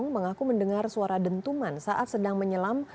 mengaku mendengar suara dentuman saat sedang menyelam